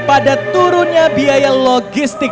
pada turunnya biaya logistik